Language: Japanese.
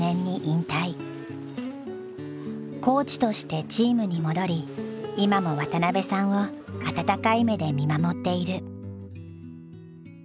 コーチとしてチームに戻り今も渡邉さんを温かい目で見守っている。